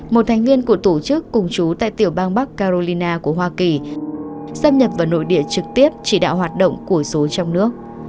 một thành viên của tổ chức cùng chú tại tiểu bang bắc carolina của hoa kỳ xâm nhập vào nội địa trực tiếp chỉ đạo hoạt động của số trong nước